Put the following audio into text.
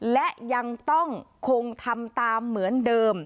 และยังต้องคงทำตามเหมือนเดิม